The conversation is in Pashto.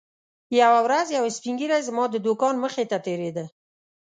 یوه ورځ یو سپین ږیری زما د دوکان مخې ته تېرېده.